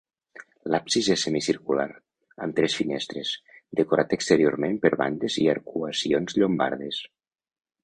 L'absis és semicircular, amb tres finestres, decorat exteriorment per bandes i arcuacions llombardes.